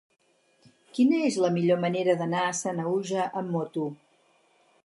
Quina és la millor manera d'anar a Sanaüja amb moto?